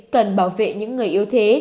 cần bảo vệ những người yếu thế